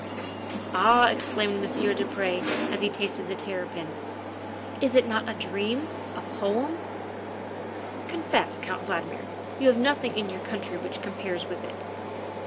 "Ah," exclaimed Monsieur du Pre as he tasted the terrapin, '' is it not a dream a poem ? Confess, Count Valdmir, you have nothing in your country which com pares with it."